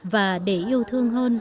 và để yêu thương hơn